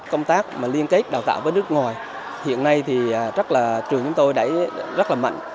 công tác mà liên kết đào tạo với nước ngoài hiện nay thì chắc là trường chúng tôi đẩy rất là mạnh